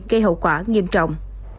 gây hậu quả nghiêm trọng